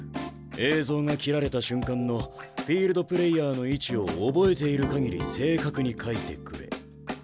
「映像が切られた瞬間のフィールドプレーヤーの位置を覚えている限り正確に書いてくれ」。